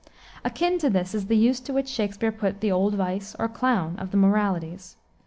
Akin to this is the use to which Shakspere put the old Vice, or Clown, of the moralities.